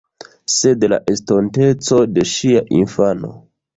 Sed la estonteco de ŝia infano.